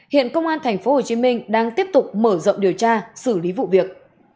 hiện công an tp hcm đang tiếp tục mở rộng điều tra xử lý vụ việc